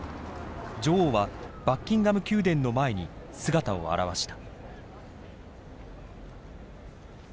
女王はバッキンガム宮殿の前に姿を現した。